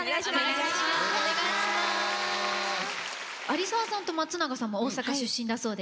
有澤さんと松永さんも大阪出身だそうで。